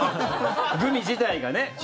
グミ自体がね。